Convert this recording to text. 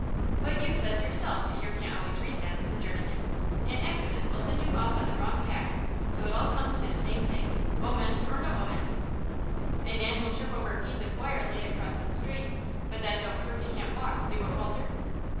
"But you says yourself that yer can't always read them," said Journeyman; "an accident will send you off on the wrong tack, so it all comes to the same thing, omens or no omens." "A man will trip over a piece of wire laid across the street, but that don't prove he can't walk, do it, Walter?"